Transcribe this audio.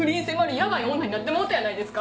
ヤバイ女になってもうたやないですか！